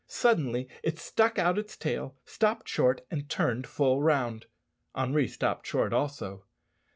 Suddenly it stuck out its tail, stopped short, and turned full round. Henri stopped short also.